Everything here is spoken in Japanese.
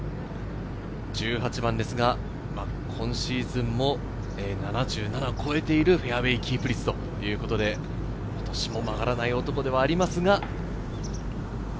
１８番ですが、今シーズンも７７を超えているフェアウエーキープ率ということで、今年も曲がらない男ではありますが。